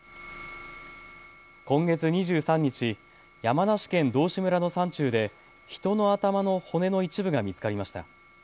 今月２３日、山梨県道志村の山中で人の頭の骨の一部が見つかりました。